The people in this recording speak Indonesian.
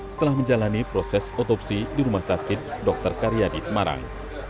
setelah menjalani proses otopsi di rumah sakit dr karyadi semarang